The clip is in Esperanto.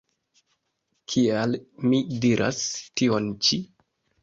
Kial mi diras tion ĉi?